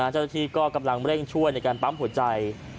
เจ้าหน้าที่ก็กำลังเร่งช่วยในการปั๊มหัวใจ